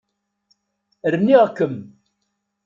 Rniɣ-kem.